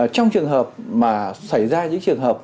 trong trường hợp mà xảy ra những trường hợp